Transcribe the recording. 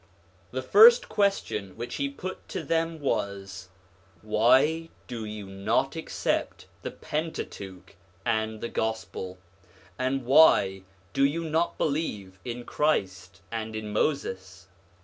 The first question which he put to them was :' Why do you not accept the Pentateuch and the Gospel, and why do you not believe in Christ and in Moses